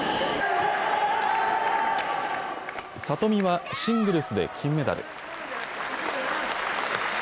里見はシングルスで金メダル。